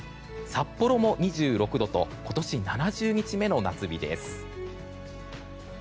札幌も２６度と今年７０日目の夏日です。